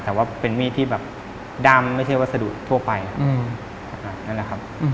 แต่ว่าเป็นมีดที่แบบดำไม่ใช่วัสดุทั่วไปนั่นแหละครับ